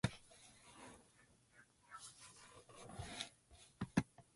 File contains hash and filename pairs.